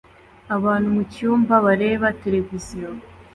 Abantu mucyumba bareba televiziyo